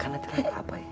karena tidak ada apoy